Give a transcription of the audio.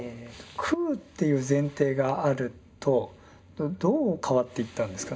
空っていう前提があるとどう変わっていったんですか？